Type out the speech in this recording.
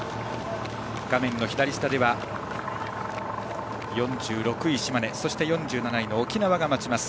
画面左下では４６位、島根そして４７位の沖縄が待ちます。